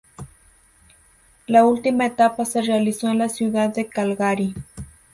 La última etapa se realizó en la ciudad de Calgary.